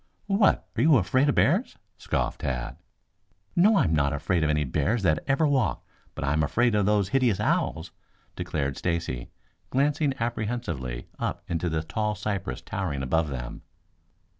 "What, are you afraid of the bears?" scoffed Tad. "No, I am not afraid of any bears that ever walked, but I'm afraid of those hideous owls," declared Stacy, glancing apprehensively up into the tall cypress towering above them.